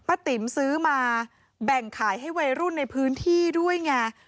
ติ๋มซื้อมาแบ่งขายให้วัยรุ่นในพื้นที่ด้วยไง